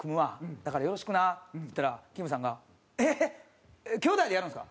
「だから、よろしくな」って言ったら、きむさんが「兄弟でやるんですか？